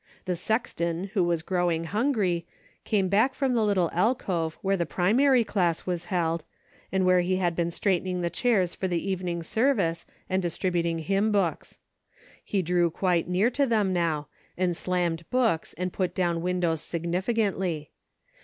The sexton who was growing hungry, came back from the little alcove where the primary class was held and where he had been straightening the chairs for the evening service and distributing hymn books. He drew quite near to them now, and slammed books and put down win dows significantly.